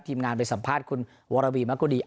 ทีมงานไปสัมภาษณ์คุณวรวีมะกุดี